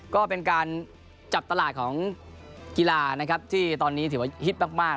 ก็เป็นการจับตลาดของกีฬานะครับที่ตอนนี้ถือว่าฮิตมาก